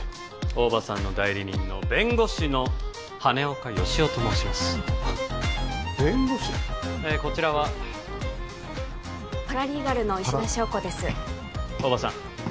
大庭さんの代理人の弁護士の羽根岡佳男と申しますはっ弁護士？えこちらはパラリーガルの石田硝子です大庭さん